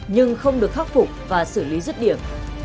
nhưng không được khắc phục và xử lý rứt điểm